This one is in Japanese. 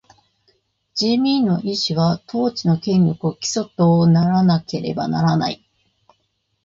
人民の意思は、統治の権力を基礎とならなければならない。